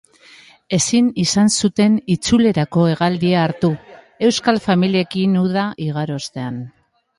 Ezin izan zuten itzulerako hegaldia hartu, euskal familiekin uda igaro ostean.